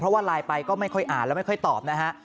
เพราะว่าไลน์ไปก็ไม่ค่อยอ่านแล้วไม่ค่อยตอบนะฮะ